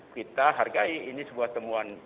kita hargai ini sebuah temuan